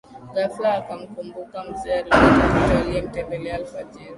Ghafla akamkumbuka mzee Alberto Kito aliyemtembelea afajiri